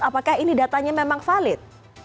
apakah ini datanya memang valid